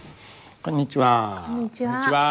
こんにちは。